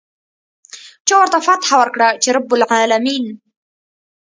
چا ورته فتحه ورکړه چې رب العلمين.